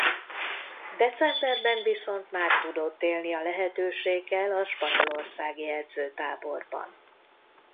Decemberben viszont már tudott élni a lehetőséggel a spanyolországi edzőtáborban.